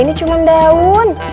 ini cuma daun